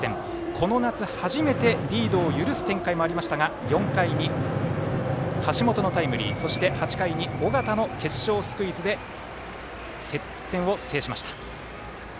この夏、初めてリードを許す展開もありましたが４回に橋本のタイムリー８回に尾形の決勝スクイズで接戦を制しました。